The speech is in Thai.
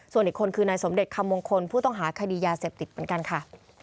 ส่วนอีกคนคือนายสมเด็จคำมงคลผู้ต้องหาคดียาเสพติดเหมือนกันค่ะ